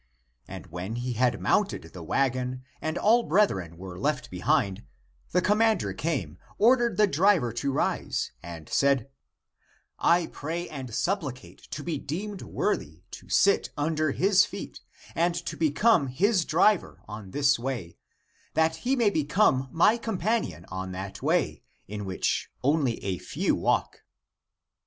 And when he had mounted the wagon and all brethren were left behind, the com mander came, ordered the driver to rise, and said, " I pray and supplicate to be deemed worthy to sit under his feet and to become his driver on this way, that he may become my companion on that way, in which only a few walk."